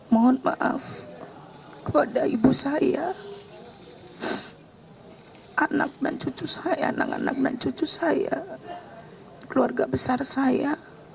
mohon maaf kepada ibu saya anak dan cucu saya keluarga besar saya